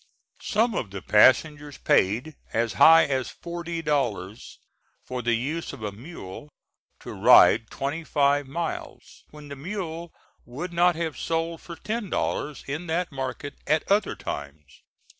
Some of the passengers paid as high as forty dollars for the use of a mule to ride twenty five miles, when the mule would not have sold for ten dollars in that market at other times.